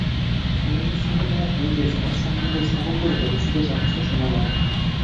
সৌরভীর সঙ্গে তাহার পূর্বের সহজ সম্বন্ধ স্থাপন করিতে রসিকের যথেষ্ট সময় লাগিল।